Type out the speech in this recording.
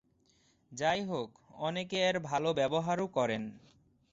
যাইহোক, অনেকে এর ভাল ব্যবহারও করেন।